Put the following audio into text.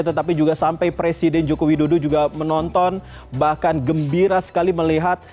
tetapi juga sampai presiden joko widodo juga menonton bahkan gembira sekali melihat